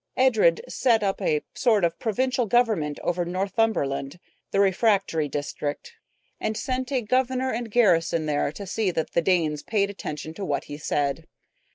Edred set up a sort of provincial government over Northumberland, the refractory district, and sent a governor and garrison there to see that the Danes paid attention to what he said.